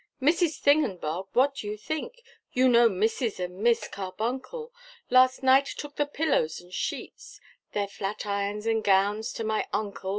Mrs Thingembob, what do you think, You know Mrs and Miss Carbuncle, Last night took the pillows and sheets, Their flat irons and gowns to my uncle.